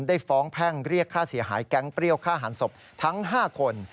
ได้ฟ้องแพ่งเรียกค่าเสียหายแก๊งเปรี้ยวฆ่าหันศพทั้ง๕คน